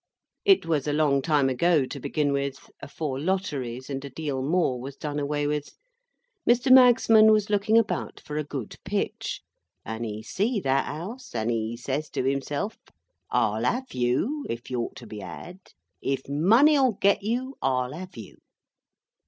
It was a long time ago, to begin with;—afore lotteries and a deal more was done away with. Mr. Magsman was looking about for a good pitch, and he see that house, and he says to himself, "I'll have you, if you're to be had. If money'll get you, I'll have you."